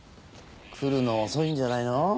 来るの遅いんじゃないの？